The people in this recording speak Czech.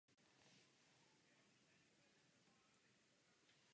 V části vznikla též obora a bažantnice.